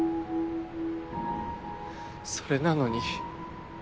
それなのに。